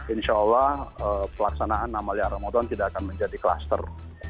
insya allah pelaksanaan amalia ramadan tidak akan menjadi kluster